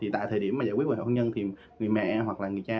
tại thời điểm giải quyết hôn nhân thì người mẹ hoặc người cha